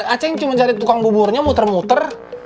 aceh cuma cari tukang buburnya muter muter